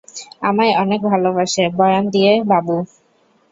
আমায় অনেক ভালোবাসে, বয়ান দিয়ে দিবে, বাবু।